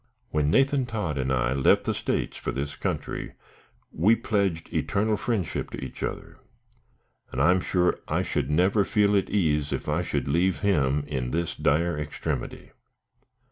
When Nathan Todd and I left the States for this country, we pledged eternal friendship to each other, and I am sure I should never feel at ease if I should leave him in this dire extremity.